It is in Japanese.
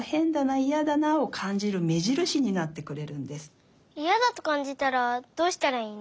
いやだとかんじたらどうしたらいいの？